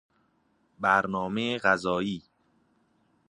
برنامه غذایی